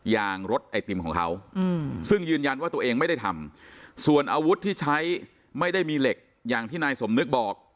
ยางรถไอติมของเขาซึ่งยืนยันว่าตัวเองไม่ได้ทำส่วนอาวุธที่ใช้ไม่ได้มีเหล็กอย่างที่นายสมนึกบอก